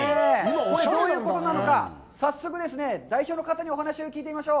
これどういうことなのか、早速ですね、代表の方にお話を聞いてみましょう。